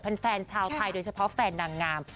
แฟนชาวไทยโดยเฉพาะแฟนนางงาม